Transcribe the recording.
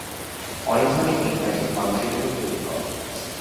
অনেক ধরনের কীটনাশক মানুষের জন্যেও ক্ষতিকর।